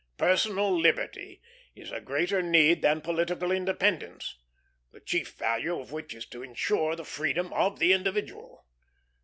Personal liberty is a greater need than political independence, the chief value of which is to insure the freedom of the individual.